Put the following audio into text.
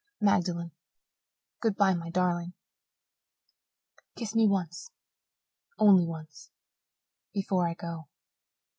"Magdalen, good bye, my darling. Kiss me once only once before I go."